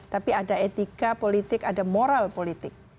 tapi ada etika politik ada moral politik